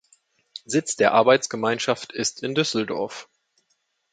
Sitz der Arbeitsgemeinschaft ist in Düsseldorf.